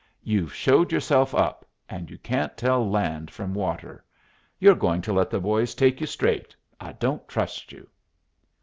"You've showed yourself up, and you can't tell land from water. You're going to let the boys take you straight. I don't trust you."